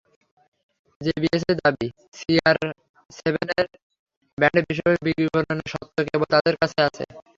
জেবিএসের দাবি, সিআরসেভেন ব্র্যান্ডের বিশ্বব্যাপী বিপণনের স্বত্ব কেবল তাদের কাছেই আছে।